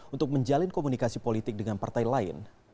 untuk menjalin komunikasi politik dengan partai lain